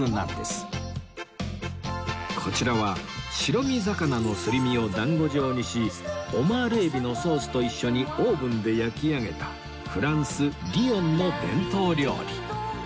こちらは白身魚のすり身を団子状にしオマール海老のソースと一緒にオーブンで焼き上げたフランスリヨンの伝統料理